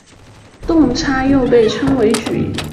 动差又被称为矩。